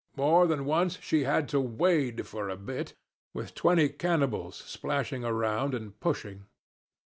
More than once she had to wade for a bit, with twenty cannibals splashing around and pushing.